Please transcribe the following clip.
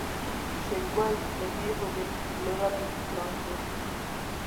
شېرګل د مېږو د پلورلو پلان جوړ کړ.